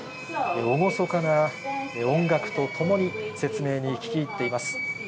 厳かな音楽とともに、説明に聞き入っています。